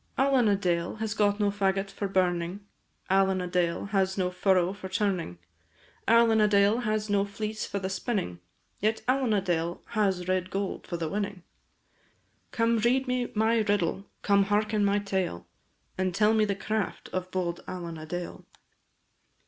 Allen a Dale has no faggot for burning, Allen a Dale has no furrow for turning, Allen a Dale has no fleece for the spinning, Yet Allen a Dale has red gold for the winning; Come, read me my riddle! come, hearken my tale! And tell me the craft of bold Allen a Dale.